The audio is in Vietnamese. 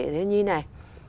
thế như này